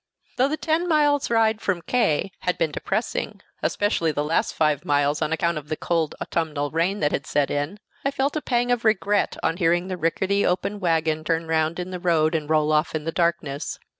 Though the ten miles' ride from K had been depressing, especially the last five miles, on account of the cold autumnal rain that had set in, I felt a pang of regret on hearing the rickety open wagon turn round in the road and roll off in the darkness.